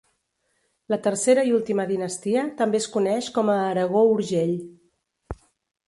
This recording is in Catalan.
La tercera i última dinastia també es coneix com a Aragó-Urgell.